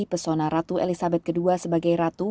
pesona ratu elizabeth ii sebagai ratu